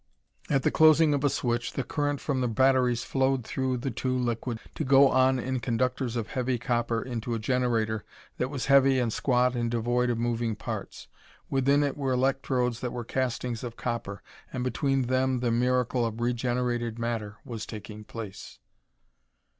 At the closing of a switch the current from the batteries flowed through the two liquids, to go on in conductors of heavy copper to a generator that was heavy and squat and devoid of moving parts. Within it were electrodes that were castings of copper, and between them the miracle of regenerated matter was taking place.